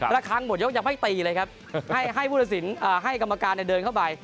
ระคังหมดยกยังไม่ตีเลยครับให้ผู้ตัดสินให้กรรมการเดินเข้าไป